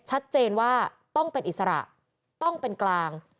ชัดเจนว่าต้องเป็นอิสระต้องเป็นกลาง